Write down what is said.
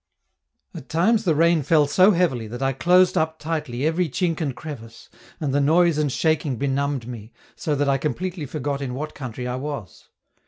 At times the rain fell so heavily that I closed up tightly every chink and crevice, and the noise and shaking benumbed me, so that I completely forgot in what country I was.